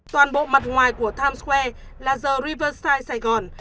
toàn bộ mặt ngoài của times square là the riverside saigon